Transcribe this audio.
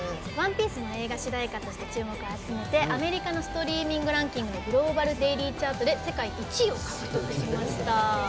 「ＯＮＥＰＩＥＣＥ」の映画主題歌として注目を集めてアメリカのストリーミングランキンググローバルデイリーチャートで世界１位を獲得しました。